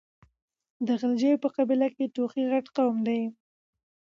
د غلجيو په قبيله کې توخي غټ قوم ده.